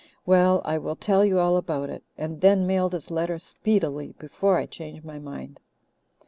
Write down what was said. Well, I will tell you all about it and then mail this letter speedily, before I change my mind.